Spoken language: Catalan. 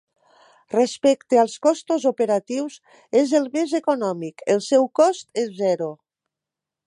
Respecte als costos operatius és el més econòmic, el seu cost és zero.